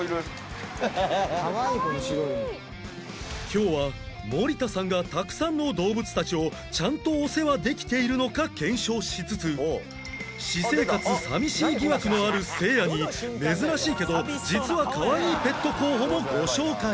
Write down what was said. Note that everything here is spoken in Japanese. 今日は森田さんがたくさんの動物たちをちゃんとお世話できているのか検証しつつ私生活寂しい疑惑のあるせいやに珍しいけど実はかわいいペット候補もご紹介